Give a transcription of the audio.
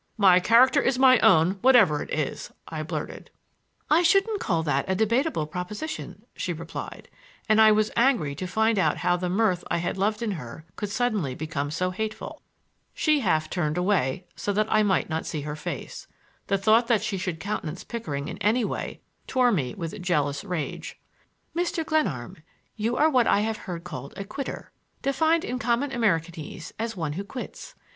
"My character is my own, whatever it is," I blurted. "I shouldn't call that a debatable proposition," she replied, and I was angry to find how the mirth I had loved in her could suddenly become so hateful. She half turned away so that I might not see her face. The thought that she should countenance Pickering in any way tore me with jealous rage. "Mr. Glenarm, you are what I have heard called a quitter, defined in common Americanese as one who quits!